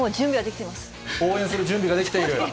応援する準備はできている？